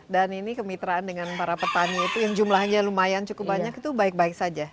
dan ini kemitraan dengan para petani itu yang jumlahnya lumayan cukup banyak itu baik baik saja